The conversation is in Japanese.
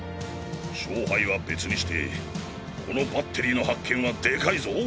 勝敗は別にしてこのバッテリーの発見はデカいぞ。